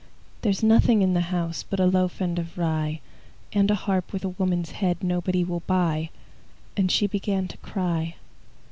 "There's nothing in the house But a loaf end of rye, And a harp with a woman's head Nobody will buy," And she began to cry.